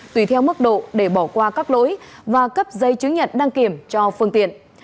tùy theo mức độ để bỏ qua các lỗi và cấp giấy chứng nhận đăng kiểm cho phương tiện